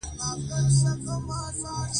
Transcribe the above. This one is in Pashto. د ورېښمو چینجي د توت پاڼې خوري.